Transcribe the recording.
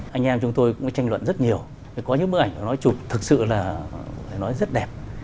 anh em chúng tôi cũng tranh luận rất nhiều có những bức ảnh nói chụp thực sự là phải nói rất đẹp